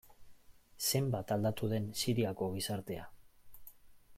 Zenbat aldatu den Siriako gizartea.